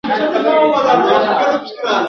نن سهار مي پر اورغوي فال کتلی ..